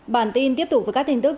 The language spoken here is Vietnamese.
bản tin tiếp tục với các tin tức